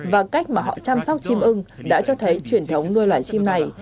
và cách mà họ chăm sóc chim ưng đã cho thấy truyền thống nuôi loài chim này